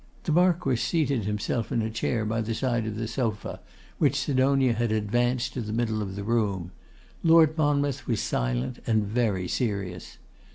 The Marquess seated himself in a chair by the side of the sofa, which Sidonia had advanced to the middle of the room. Lord Monmouth was silent and very serious.